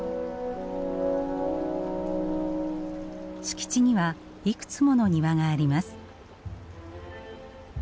敷地にはいくつもの庭があります。